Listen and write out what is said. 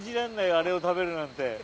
あれを食べるなんて。